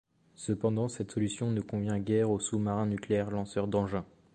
Cependant, cette solution ne convient guère aux sous-marins nucléaires lanceurs d'engins.